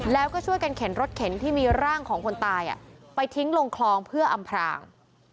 แล้วก็ช่วยกันเข็นรถเข็นที่มีร่างของคนตายไปทิ้งลงคลองเพื่ออำพราง